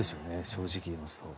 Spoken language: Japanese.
正直言いますと。